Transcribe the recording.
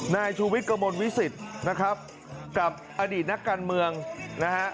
นายชูวิทย์กระมวลวิสิตนะครับกับอดีตนักการเมืองนะฮะ